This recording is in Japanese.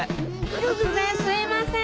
突然すいません。